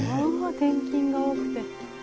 転勤が多くて。